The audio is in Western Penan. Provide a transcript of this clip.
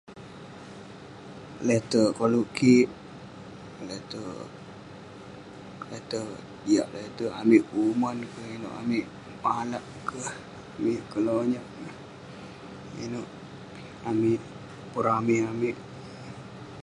Le'terk koluk kik, le'terk..le'terk jiak le'terk amik kuman keh..ineuk..amik malak keh..amik kelonyat..inouk amik..pun rame' amik..